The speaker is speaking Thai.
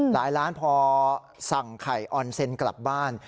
หลายล้านพอสั่งไข่ออนเซ็นต์กลับบ้าน